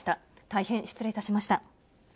大変失礼いたしました。